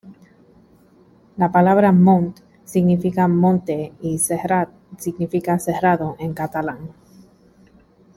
La palabra "mont" significa monte y "serrat" significa serrado en catalán.